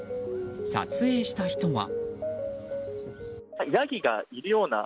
撮影した人は。